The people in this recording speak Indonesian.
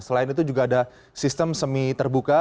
selain itu juga ada sistem semi terbuka